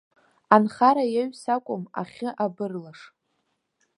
Анхара иаҩс акәым, ахьы, абырлаш!